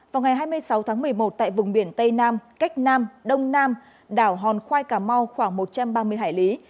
vào ngày hai mươi sáu tháng một mươi một tại vùng biển tây nam cách nam đông nam đảo hòn khoai cà mau khoảng một trăm ba mươi hải lý